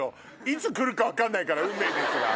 いつ来るか分かんないから「運命です」が。